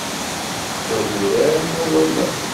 Wa d urar n wawalen.